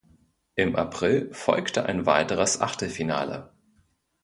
Im April folgte ein weiteres Achtelfinale.